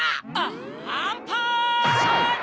アンパンチ！